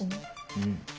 うん。